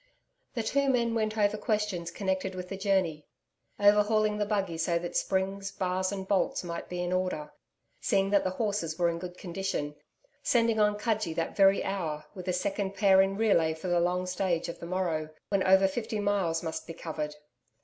The two men went over questions connected with the journey, overhauling the buggy so that springs, bars and bolts might be in order, seeing that the horses were in good condition, sending on Cudgee that very hour, with a second pair in relay for the long stage of the morrow, when over fifty miles must be covered.